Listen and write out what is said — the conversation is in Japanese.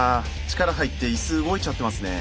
力入って椅子動いちゃってますね。